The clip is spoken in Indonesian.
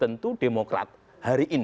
tentu demokrat hari ini itu mempunyai kecacatan